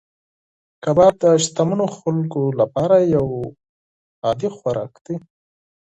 کباب د شتمنو خلکو لپاره یو عادي خوراک دی.